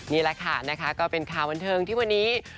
นี่ล่ะค่ะก็เป็นค่าบันทึงที่วันนี้